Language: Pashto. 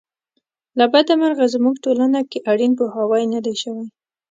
له بده مرغه زموږ ټولنه کې اړین پوهاوی نه دی شوی.